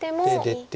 出て。